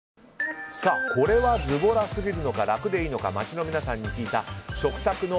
これはズボラすぎるのか楽でいいのか街の皆さんに聞いた食卓の。